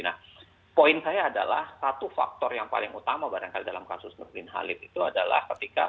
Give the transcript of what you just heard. nah poin saya adalah satu faktor yang paling utama barangkali dalam kasus nurdin halid itu adalah ketika